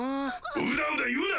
うだうだ言うな！